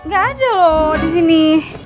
gak ada loh di sini